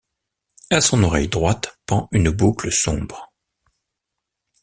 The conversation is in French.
À son oreille droite, pend une boucle sombre.